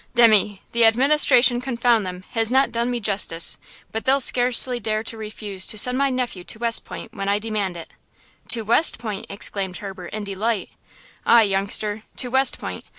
Demmy, the administration, confound them, has not done me justice, but they'll scarcely dare to refuse to send my nephew to West Point when I demand it." "To West Point!" exclaimed Herbert, in delight. "Ay, youngster, to West Point.